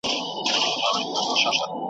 چي دي واچوي قاضي غاړي ته پړی .